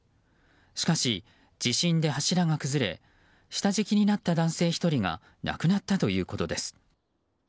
しかし、地震で柱が崩れ下敷きになった男性１人が亡くなったということです。